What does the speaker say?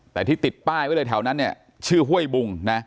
แต่ที่ติดป้ายไว้เลยแถวนั้นเนี่ยชื่อห้วยบุงนะ